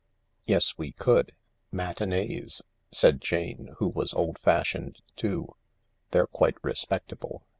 "Yes, we could — matinees," said Jane, who was old fashioned too. "They're quite respectable.